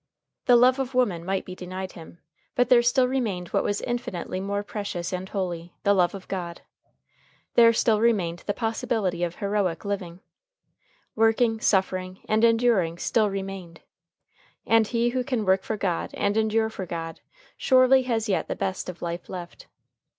The love of woman might be denied him, but there still remained what was infinitely more precious and holy, the love of God. There still remained the possibility of heroic living. Working, suffering, and enduring still remained. And he who can work for God and endure for God, surely has yet the best of life left.